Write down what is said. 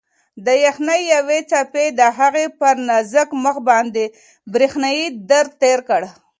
د یخنۍ یوې څپې د هغې پر نازک مخ باندې برېښنايي درد تېر کړ.